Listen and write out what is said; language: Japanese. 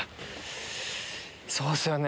そうっすよね。